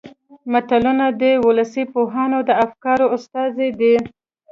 متلونه د ولسي پوهانو د افکارو استازي دي